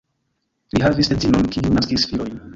Li havis edzinon, kiu naskis filojn.